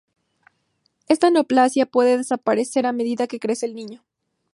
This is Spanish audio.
Esta neoplasia puede desaparecer a medida que crece el niño.